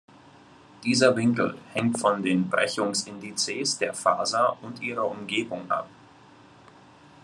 Dieser Winkel hängt von den Brechungsindizes der Faser und ihrer Umgebung ab.